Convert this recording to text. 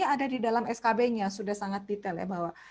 ada di dalam skb nya sudah sangat detail ya bahwa